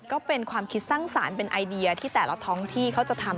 ก็เป็นความคิดสร้างสรรค์เป็นไอเดียที่แต่ละท้องที่เขาจะทำ